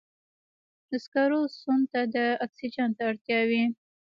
د سکرو سون ته د اکسیجن ته اړتیا وي.